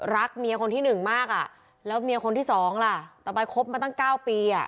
รักเมียคนที่หนึ่งมากอ่ะแล้วเมียคนที่สองล่ะตะบายคบมาตั้งเก้าปีอ่ะ